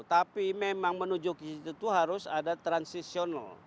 tapi memang menuju ke situ itu harus ada transisional